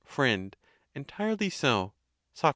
Entirely so. [18.